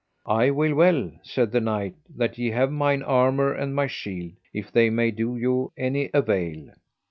I will well, said the knight, that ye have mine armour and my shield, if they may do you any avail.